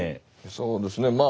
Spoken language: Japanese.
そうですね